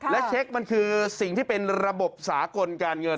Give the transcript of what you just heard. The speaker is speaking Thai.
และเช็คมันคือสิ่งที่เป็นระบบสากลการเงิน